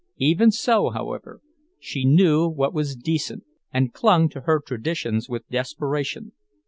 Even so, however, she knew what was decent, and clung to her traditions with desperation.